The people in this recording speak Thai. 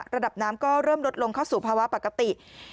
ระดับน้ำก็เริ่มลดลงเข้าสู่ภาวะปกติ